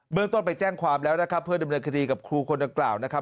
เมืองต้นไปแจ้งความแล้วนะครับเพื่อดำเนินคดีกับครูคนดังกล่าวนะครับ